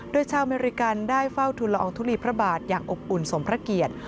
โดยชาวอเมริกันได้เฝ้าทุลอองทุลีพระบาทอย่างอบอุ่นสมพระเกียรติ